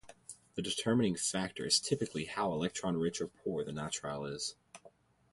The determining factor is typically how electron-rich or poor the nitrile is.